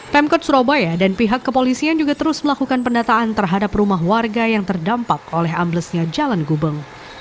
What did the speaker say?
pemkot surabaya dan pihak kepolisian juga terus melakukan pendataan terhadap rumah warga yang terdampak oleh amblesnya jalan gubeng